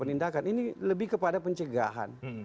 ini lebih kepada pencegahan